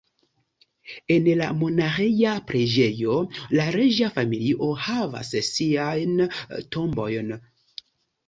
En la monaĥeja preĝejo la reĝa familio havas siajn tombojn.